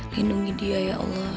lindungi dia ya allah